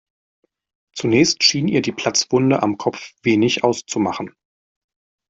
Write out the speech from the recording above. Zunächst schien ihr die Platzwunde am Kopf wenig auszumachen.